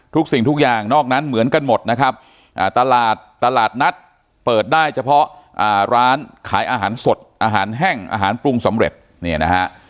สิ่งทุกอย่างนอกนั้นเหมือนกันหมดนะครับตลาดตลาดนัดเปิดได้เฉพาะร้านขายอาหารสดอาหารแห้งอาหารปรุงสำเร็จเนี่ยนะฮะ